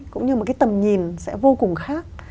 cũng như một cái tầm nhìn sẽ vô cùng khác